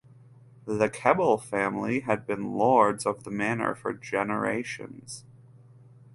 The Keble family had been lords of the manor for generations.